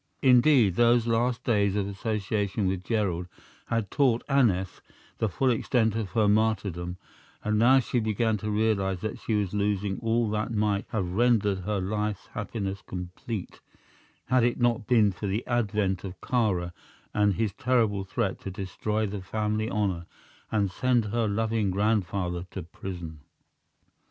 Indeed, those last days of association with Gerald had taught Aneth the full extent of her martyrdom, and now she began to realize that she was losing all that might have rendered her life's happiness complete, had it not been for the advent of Kāra and his terrible threat to destroy the family honor and send her loving grandfather to prison.